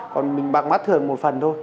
còn mình bằng mắt thường một phần thôi